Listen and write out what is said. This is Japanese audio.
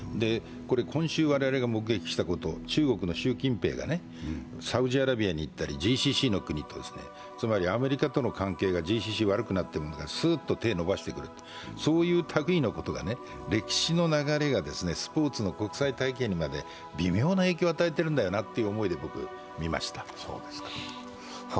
今週、我々が目撃したこと、中国の習近平がサウジアラビアに行ったりＧＣＣの国に行ったりつまりアメリカとの関係が悪くなってスーッと手を伸ばしてくる、そういうたぐいのことが歴史の流れがスポーツの国際体系にまで微妙な影響を与えているんだよなという思いで僕は見ました。